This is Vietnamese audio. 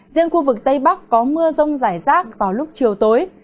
riêng khu vực tây bắc có mưa rông rải rác vào lúc chiều tối